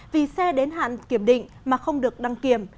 vì xe đến hạn kiểm định mà không được đăng kiểm